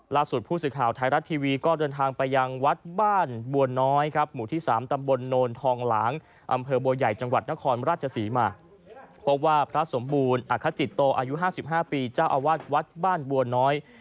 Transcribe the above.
ผู้สื่อข่าวไทยรัฐทีวีก็เดินทางไปยังวัดบ้านบัวน้อยครับหมู่ที่๓ตำบลโนนทองหลางอำเภอบัวใหญ่จังหวัดนครราชศรีมาพบว่าพระสมบูรณ์อคจิตโตอายุ๕๕ปีเจ้าอาวาสวัดบ้านบัวน้อย